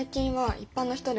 一般の人が？